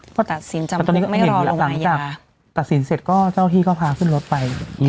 พอตัดสินจำนึกไม่รอลงหลังจากตัดสินเสร็จก็เจ้าที่ก็พาขึ้นรถไป